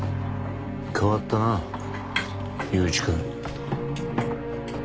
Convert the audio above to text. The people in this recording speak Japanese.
変わったな雄一くん。